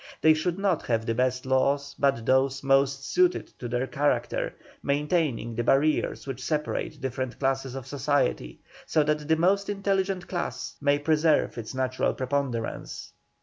They should not have the best laws, but those most suited to their character, maintaining the barriers which separate the different classes of society, so that the most intelligent class may preserve its natural preponderance."